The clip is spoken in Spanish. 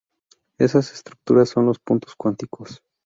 Esas estructuras son los puntos cuánticos.